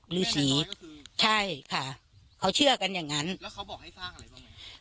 ฤษีใช่ค่ะเขาเชื่อกันอย่างนั้นแล้วเขาบอกให้สร้างอะไรบ้างไหม